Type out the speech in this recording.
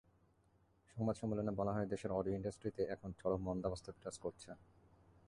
সংবাদ সম্মেলনে বলা হয়, দেশের অডিও ইন্ডাস্ট্রিতে এখন চরম মন্দাবস্থা বিরাজ করছে।